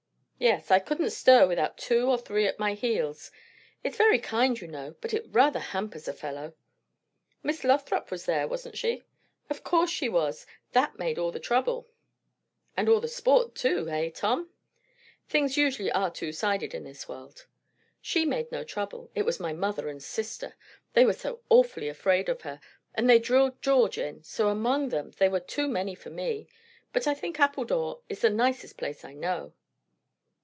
"Yes. I couldn't stir without two or three at my heels. It's very kind, you know; but it rather hampers a fellow." "Miss Lothrop was there, wasn't she?" "Of course she was! That made all the trouble." "And all the sport too; hey, Tom? Things usually are two sided in this world." "She made no trouble. It was my mother and sister. They were so awfully afraid of her. And they drilled George in; so among them they were too many for me. But I think Appledore is the nicest place I know."